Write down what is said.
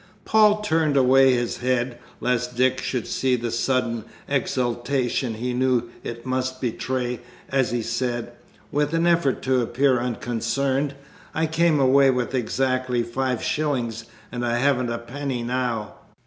Paul turned away his head, lest Dick should see the sudden exultation he knew it must betray, as he said, with an effort to appear unconcerned, "I came away with exactly five shillings, and I haven't a penny now!"